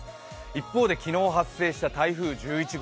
一方で昨日発生した台風１１号。